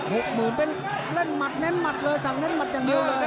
หกหมื่นเป็นเล่นหมัดเน้นหมัดเลยสั่งเน้นหมัดอย่างเดียวเลย